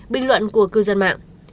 bình luận của cư dân mạng